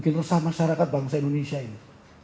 bikin resah masyarakat bangsa indonesia ini